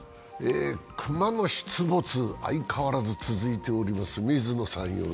クマの出没、相変わらず続いております。